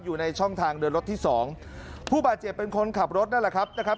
อยู่ในช่องทางเดินรถที่สองผู้บาดเจ็บเป็นคนขับรถนั่นแหละครับนะครับ